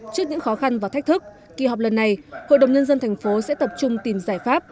trước những khó khăn và thách thức kỳ họp lần này hội đồng nhân dân thành phố sẽ tập trung tìm giải pháp